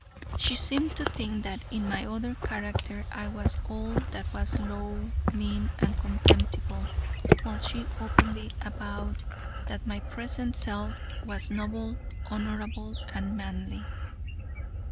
She seemed to think that in my other character I was all that was low, mean and contemptible, while she openly avowed that my present self was noble, honorable, and manly.